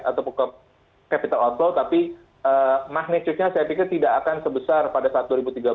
atau capital outflow tapi magnitude nya saya pikir tidak akan sebesar pada saat dua ribu tiga belas